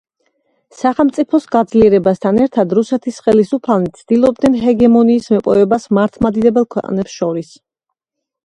სახელმწიფოს გაძლიერებასთან ერთად რუსეთის ხელისუფალნი ცდილობდნენ ჰეგემონიის მოპოვებას მართლმადიდებელ ქვეყნებს შორის.